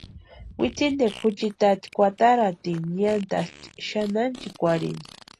Witsintikwa juchi taati kwataratini niantʼaspti xani ánchikwarhini.